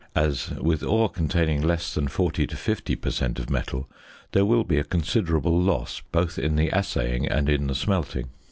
as with ore containing less than 40 to 50 per cent. of metal there will be a considerable loss both in the assaying and in the smelting.